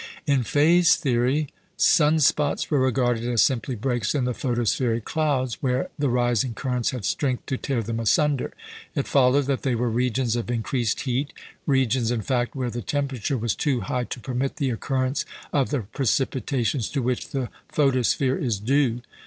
In Faye's theory, sun spots were regarded as simply breaks in the photospheric clouds, where the rising currents had strength to tear them asunder. It followed that they were regions of increased heat regions, in fact, where the temperature was too high to permit the occurrence of the precipitations to which the photosphere is due.